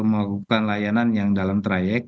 melakukan layanan yang dalam trayek